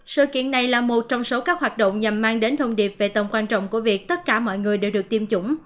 sự kiện này là một trong số các hoạt động nhằm mang đến thông điệp về tầm quan trọng của việc tất cả mọi người đều được tiêm chủng